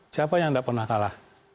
siapa yang tidak pernah kalah